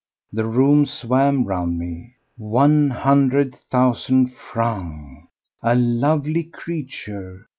The room swam round me. One hundred thousand francs!—a lovely creature!